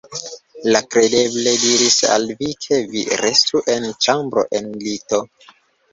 Li kredeble diris al vi, ke vi restu en ĉambro en lito?